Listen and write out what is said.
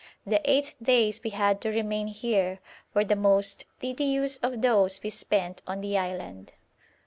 The eight days we had to remain here were the most tedious of those we spent on the island.